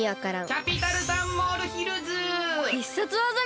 キャピタルサンモールヒルズ！